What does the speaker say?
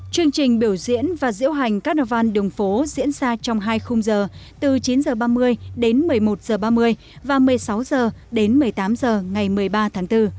chương trình biểu diễn và diễu hành carnival đường phố diễn ra trong hai khung giờ từ chín h ba mươi đến một mươi một h ba mươi và một mươi sáu h đến một mươi tám h ngày một mươi ba tháng bốn